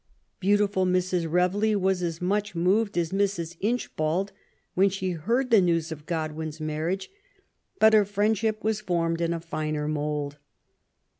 Beau tiful Mrs. Reveley was as much moved as Mrs. Inch bald when she heard the news of Godwin's marriage, but her friendship was formed in a finer mould.